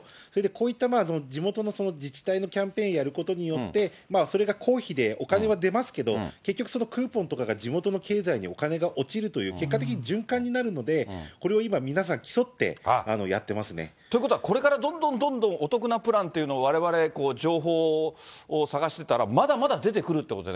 こうした地元の自治体のキャンペーンやることによって、それが公費でお金は出ますけど、結局そのクーポンとかが地元の経済にお金が落ちるという、結果的に循環になるので、これを今、皆さん、ということは、これからどんどんどんどんお得なプランというの、われわれ情報を探してたら、まだまだ出てくるってこと？